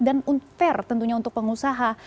dan fair tentunya untuk pengusaha